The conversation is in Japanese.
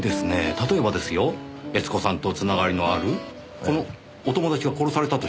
例えばですよ悦子さんと繋がりのあるこのお友達が殺されたとしますね。